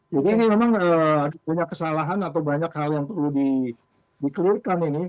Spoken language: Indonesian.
jadi ini memang punya kesalahan atau banyak hal yang perlu di clearkan ini